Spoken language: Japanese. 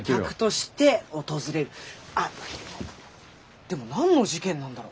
あっでも何の事件なんだろ？